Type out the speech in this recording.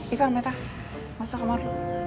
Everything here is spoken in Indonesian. ivan neta masuk kamar